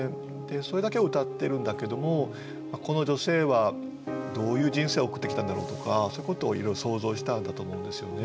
それだけをうたってるんだけれどもこの女性はどういう人生を送ってきたんだろうとかそういうことをいろいろ想像したんだと思うんですよね。